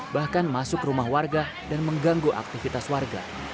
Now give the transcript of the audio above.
bahkan masuk ke rumah warga dan mengganggu aktivitas warga